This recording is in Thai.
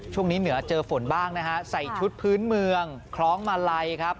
เหนือเจอฝนบ้างนะฮะใส่ชุดพื้นเมืองคล้องมาลัยครับ